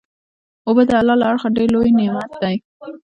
اوبه د الله له اړخه ډیر لوئ نعمت دی